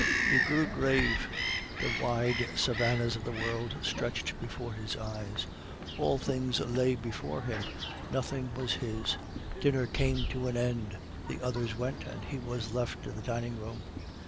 He grew grave. The wide savannas of the world stretched before his eyes; all things lay before him, nothing was his. Dinner came to an end, the others went, and he was left in the dining room.